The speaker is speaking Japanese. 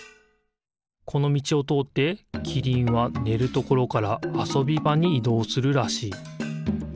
このみちをとおってキリンはねるところからあそびばにいどうするらしい。